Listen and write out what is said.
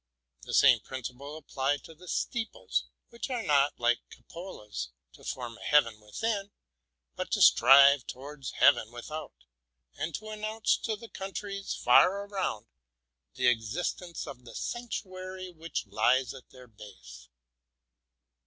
The same principle applied to the steeples, which are not, like cupolas, to form a heaven within, but to strive towards heaven without, and to announce to the countries far around the existence of the sanctuary which lies at their base.